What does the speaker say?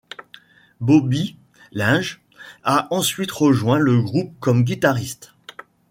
Bobby Lynge a ensuite rejoint le groupe comme guitariste.